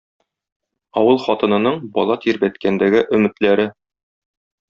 Авыл хатынының бала тирбәткәндәге өметләре